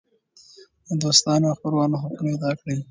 د دوستانو او خپلوانو حقونه ادا کړئ.